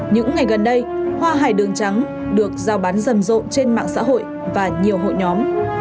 những ngày gần đây hoa hải đường trắng được giao bán rầm rộ trên mạng xã hội và nhiều hội nhóm